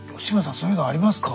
そういうのはありますか？